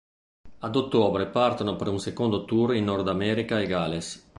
Ad ottobre partono per un secondo tour in Nord America e Galles.